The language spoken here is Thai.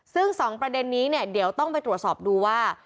ซึ่ง๒ประเด็นนี้เนี่ยเดี๋ยวต้องไปตรวจสอบดูว่า